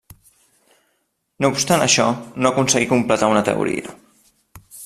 No obstant això, no aconseguí completar una teoria.